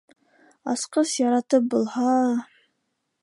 Асҡыс яратып булһа...